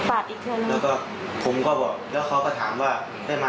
ฟาดอีกเท่านั้นแล้วก็ผมก็บอกแล้วเขาก็ถามว่าได้มากับคันนั้นไหม